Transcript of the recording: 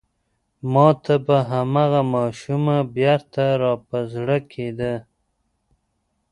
ما ته به هماغه ماشومه بېرته را په زړه کېده.